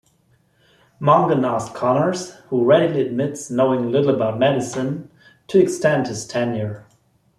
Mongan asked "Connors, who readily admits knowing little about medicine" to extend his tenure.